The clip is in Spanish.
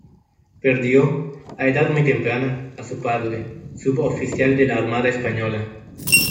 Perdió, a edad muy temprana, a su padre, suboficial de la Armada Española.